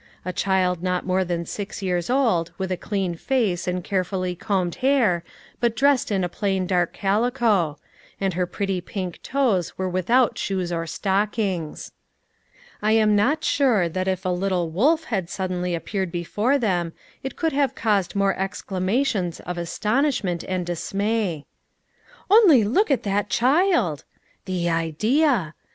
A child not more than six years old, with a clean face, and carefully combed hair, but dressed in a plain dark calico ; and her pretty pink toes were with out shoes or stockings. I am not sure that if a little wolf had suddenly appeared before them, it could have caused more exclamations of astonishment and dismay. " Only look at that child !" The idea !